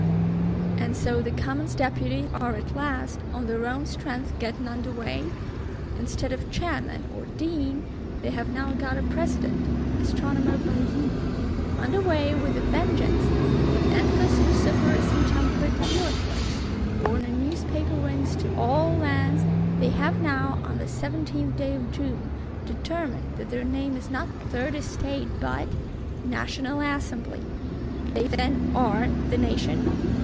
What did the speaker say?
And so the Commons Deputies are at last on their own strength getting under way? Instead of Chairman, or Dean, they have now got a President: Astronomer Bailly. Under way, with a vengeance! With endless vociferous and temperate eloquence, borne on Newspaper wings to all lands, they have now, on this 17th day of June, determined that their name is not Third Estate, but—National Assembly! They, then, are the Nation?